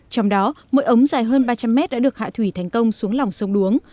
trong đó mỗi ống dài hơn ba trăm linh mét đã được hạ thủy thành công xuống lòng sông đuống